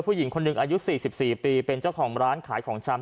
ผู้หญิงคนหนึ่งอายุ๔๔ปีเป็นเจ้าของร้านขายของชำ